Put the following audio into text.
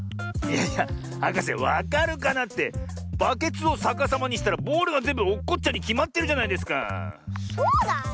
いやいやはかせ「わかるかな？」ってバケツをさかさまにしたらボールがぜんぶおっこっちゃうにきまってるじゃないですかあ。